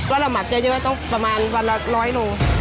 ก็เราหมักเยอะก็ประมาณวันละร้อยโล